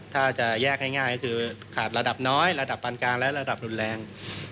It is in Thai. ถ้าจะแยกง่ายก็คือขาดระดับน้อยระดับปันกลางและระดับรุนแรง